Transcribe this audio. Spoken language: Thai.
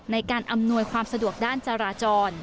ในการอำนวยความสะดวกด้านจราจร